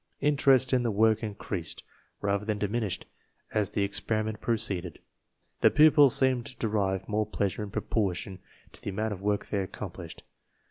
Interest in the work increased, rather than diminished, as the experiment proceeded. The pupils seemed to derive more pleasure in proportion to the amount of work they accomplished.